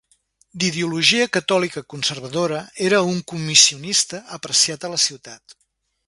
D'ideologia catòlica conservadora, era un comissionista apreciat a la ciutat.